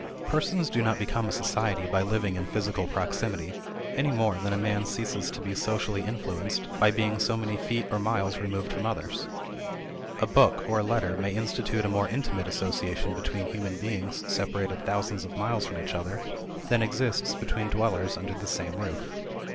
Persons do not become a society by living in physical proximity, any more than a man ceases to be socially influenced by being so many feet or miles removed from others. A book or a letter may institute a more intimate association between human beings separated thousands of miles from each other than exists between dwellers under the same roof.